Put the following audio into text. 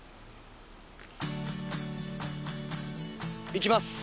行きます。